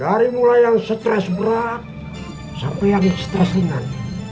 dari mulai yang stres berat sampai yang stres ringan